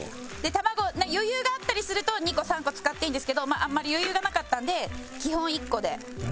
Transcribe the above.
卵余裕があったりすると２個３個使っていいんですけどまああんまり余裕がなかったんで基本１個で。